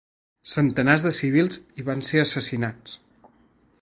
Centenars de civils hi van ser assassinats.